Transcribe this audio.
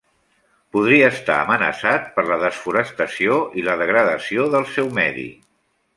Podria estar amenaçat per la desforestació i la degradació del seu medi.